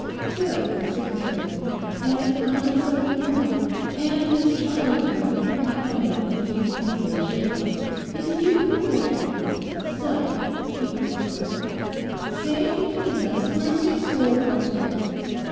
'Good,' said Mr Bethany; 'and I'm seventy one, and this child here'—he pointed an accusing finger at Sheila—is youth perpetual. So,' he briskly brightened, 'say, between us we're six score all told.